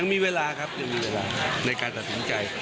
มีเวลาครับยังมีเวลาในการตัดสินใจ